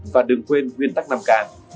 và đừng quên nguyên tắc năm k